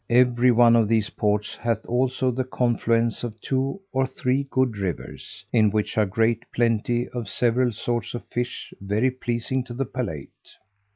Every one of these ports hath also the confluence of two or three good rivers, in which are great plenty of several sorts of fish very pleasing to the palate.